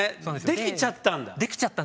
できちゃったんだ。